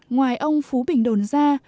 ngoài ông phú bình đồn ra